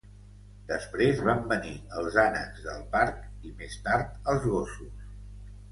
Després van venir els ànecs del parc i més tard els gossos.